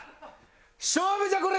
勝負じゃこら！